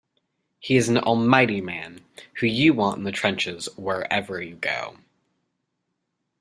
He's an almighty man who you want in the trenches wherever you go.